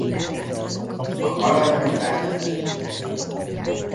A Kalandra fel!